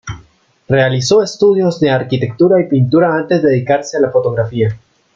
Realizó estudios de arquitectura y pintura antes de dedicarse a la fotografía.